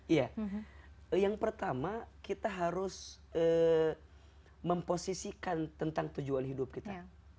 iya yang pertama kita harus memposisikan tentang tujuan hidup kita